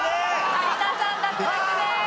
有田さん脱落です。